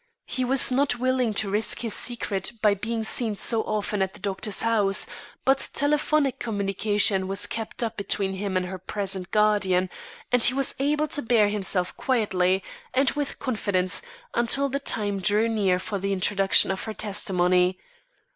He was not willing to risk his secret by being seen too often at the doctor's house; but telephonic communication was kept up between him and her present guardian, and he was able to bear himself quietly and with confidence until the time drew near for the introduction of her testimony.